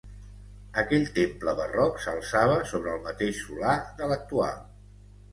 Aquell temple barroc s'alçava sobre el mateix solar de l'actual.